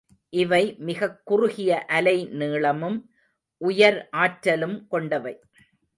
இவை மிகக் குறுகிய அலை நீளமும் உயர் ஆற்றலும் கொண்டவை.